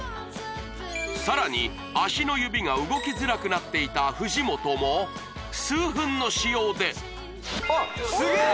さらに足の指が動きづらくなっていた藤本も数分の使用であっすげえ！